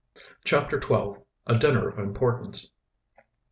CHAPTER XII. A DINNER OF IMPORTANCE.